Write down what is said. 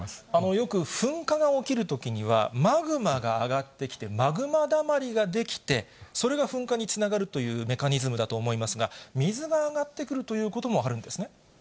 よく噴火が起きるときにはマグマが上がってきて、マグマだまりが出来て、それが噴火につながるというメカニズムだと思いますが、水が上がってくるということもあるんですね。